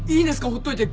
放っといて。